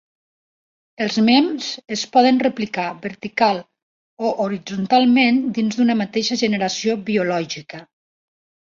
Els mems es poden replicar vertical o horitzontalment dins d'una mateixa generació biològica.